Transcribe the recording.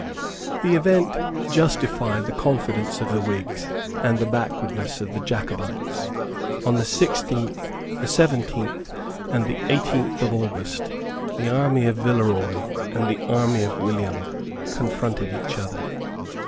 The event justified the confidence of the Whigs and the backwardness of the Jacobites. On the sixteenth, the seventeenth, and the eighteenth of August the army of Villeroy and the army of William confronted each other.